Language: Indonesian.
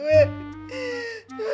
cuman gue sedih aja